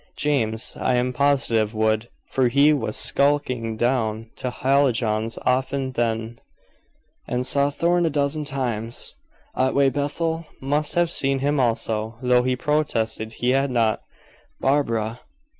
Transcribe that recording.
"James I am positive would, for he was skulking down to Hallijohn's often then, and saw Thorn a dozen times. Otway Bethel must have seen him also, though he protested he had not. Barbara!"